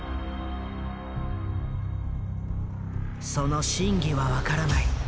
その真偽は分からない。